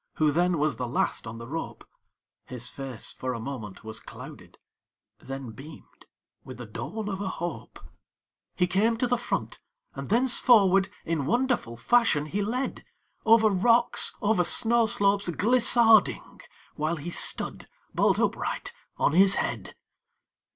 Who then was the last on the rope; His face for a moment was clouded, Then beamed with the dawn of a hope; He came to the front, and thence forward In wonderful fashion he led, Over rocks, over snow slopes glissading, While he stood, bolt upright on his head!